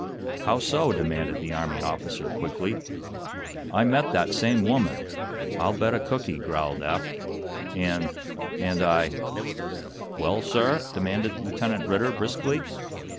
"How so?" demanded the Army officer quickly. "I met that same woman, I'll bet a cookie," growled Eph, "and and I " "Well, sir?" demanded Lieutenant Ridder, briskly.